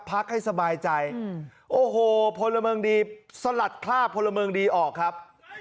พักให้สบายใจโอ้โหพลเมืองดีสลัดคลาบพลเมิงดีออกครับ